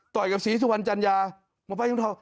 ต่อยกับศรีสุวรรณจัญญาหมอปลายังทอง